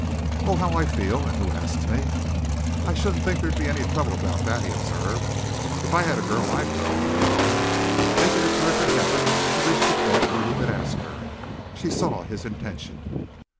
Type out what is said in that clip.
"On how I feel and who asks me." "I shouldn't think there'd be any trouble about that," he observed. "If I had a girl I'd go," he went on, making a terrific effort to reach the point where he could ask her. She saw his intention.